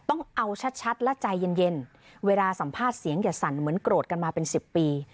ต้องเอาชัดและใจเย็นเวลาสัมภาษณ์เสียงอย่าสั่นเหมือนโกรธกันมาเป็น๑๐ปี